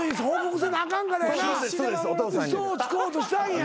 嘘をつこうとしたんや。